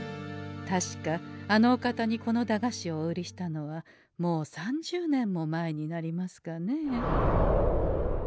確かあのお方にこの駄菓子をお売りしたのはもう３０年も前になりますかねえ。